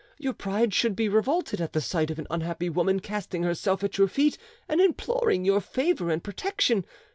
Your pride should be revolted at the sight of an unhappy woman casting herself at your feet and imploring your favour and protection.